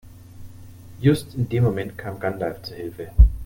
Just in dem Moment kam Gandalf zu Hilfe.